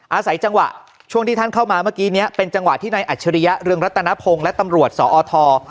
อาศัยจังหวะช่วงที่ท่านเข้ามาเมื่อกี้นี้เป็นจังหวะที่นายอัจฉริยะเรืองรัตนพงศ์และตำรวจสอท